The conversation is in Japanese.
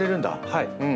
はい。